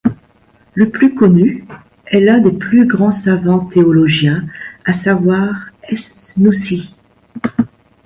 Le plus connu est l'un des plus grands savants théologiens, à savoir Esnoussi.